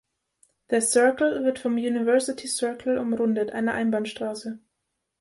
The Circle wird vom University Circle umrundet, einer Einbahnstraße.